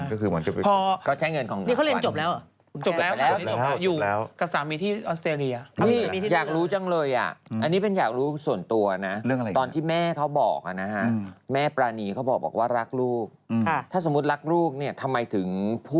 ก็คือเหมือนจะไปเรียน